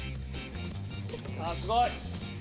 あすごい！